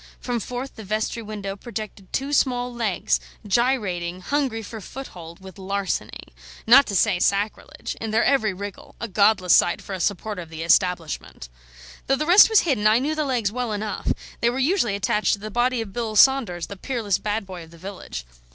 From forth the vestry window projected two small legs, gyrating, hungry for foothold, with larceny not to say sacrilege in their every wriggle: a godless sight for a supporter of the Establishment. Though the rest was hidden, I knew the legs well enough; they were usually attached to the body of Bill Saunders, the peerless bad boy of the village.